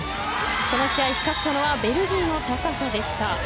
この試合、光ったのはベルギーの高さでした。